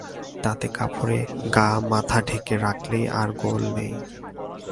তাতে কাপড়ে গা-মাথা ঢেকে রাখলেই আর গোল নেই।